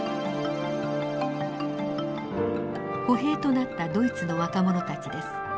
歩兵となったドイツの若者たちです。